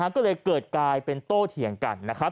ก็เลยเกิดกลายเป็นโต้เถียงกันนะครับ